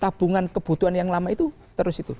tabungan kebutuhan yang lama itu terus itu